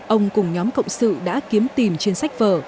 ông cùng nhóm cộng sự đã kiếm tìm trên sách vở